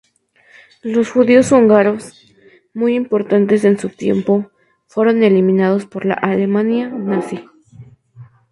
Los judíos húngaros, muy importantes en su tiempo, fueron eliminados por la Alemania Nazi.